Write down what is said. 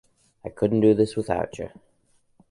I couldn't do this without you.